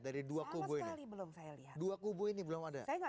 dari dua kubu ini belum saya lihat dua kubu ini belum ada